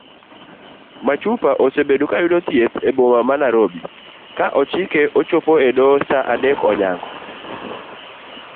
Machupa osebedo kayudo thieth eboma ma nairobi ka ochike ochop edoho saa adek onyango.